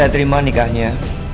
saya terima nikahnya